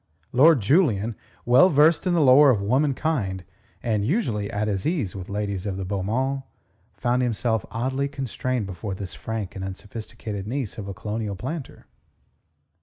Lord Julian, well versed in the lore of womankind and usually at his ease with ladies of the beau monde, found himself oddly constrained before this frank and unsophisticated niece of a colonial planter.